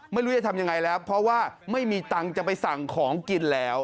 ไม่รู้จะทำยังไงแล้วเพราะว่าไม่มีตังค์จะไปสั่งของกินแล้ว